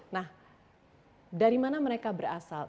nah dari mana mereka berasal